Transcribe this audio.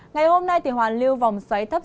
ngày hôm nay thì hoàn lưu vòng xoáy thấp